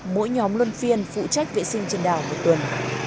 mỗi nhóm luân phiên phụ trách vệ sinh trên đảo một tuần